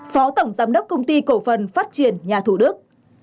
phó tổng giám đốc công ty cổ phần phát triển nhà thủ đức